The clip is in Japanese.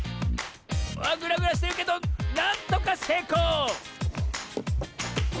あっグラグラしてるけどなんとかせいこう！